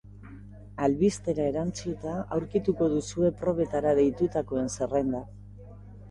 Albistera erantsita aurkituko duzue probetara deitutakoen zerrenda.